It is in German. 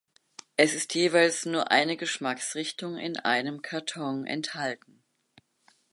Es ist jeweils nur eine Geschmacksrichtung in einem Karton enthalten.